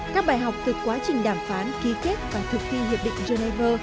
các bài học từ quá trình đàm phán ký kết và thực thi hiệp định geneva